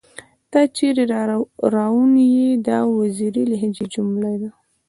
تۀ چېرې راوون ئې ؟ دا د وزيري لهجې جمله ده